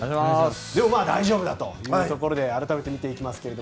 でも、大丈夫だというところで改めて見ていきましょう。